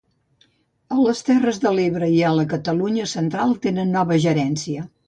A les Terres de l'Ebre i a la Catalunya Central tenen nova gerència.